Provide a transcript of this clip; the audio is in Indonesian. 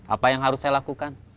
apa yang harus saya lakukan